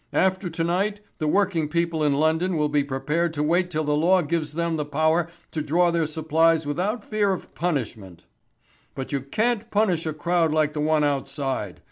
After to night the working people in London will be prepared to wait till the law gives them the power to draw their supplies without fear of punishment. But you can't punish a crowd like the one outside.